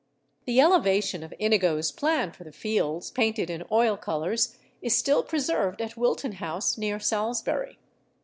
The elevation of Inigo's plan for the Fields, painted in oil colours, is still preserved at Wilton House, near Salisbury.